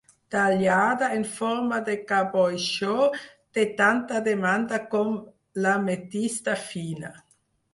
Tallada en forma de caboixó té tanta demanda com l'ametista fina.